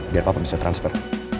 biar papa bisa transfer